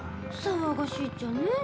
騒がしいっちゃねぇ。